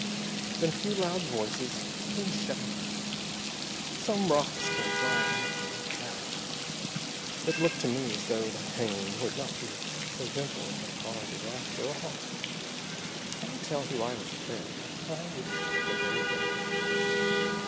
Then a few loud voices, then shouts. Some rocks came flying at me after that, and it looked to me as though the hanging would not be so gentle a party after all. I tell you I was afraid. I wished it was over.